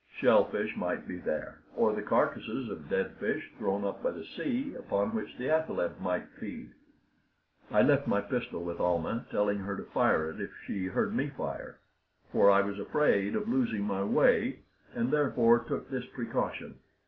Shell fish might be there, or the carcasses of dead fish thrown up by the sea, upon which the athaleb might feed. I left my pistol with Almah, telling her to fire it if she heard me fire, for I was afraid of losing my way, and therefore took this precaution.